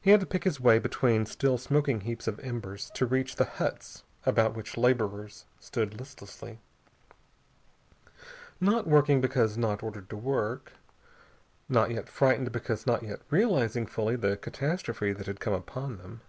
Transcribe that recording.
He had to pick his way between still smoking heaps of embers to reach the huts about which laborers stood listlessly, not working because not ordered to work, not yet frightened because not yet realizing fully the catastrophe that had come upon them.